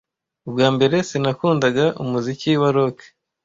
Ubwa mbere sinakundaga umuziki wa rock